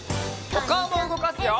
おかおもうごかすよ！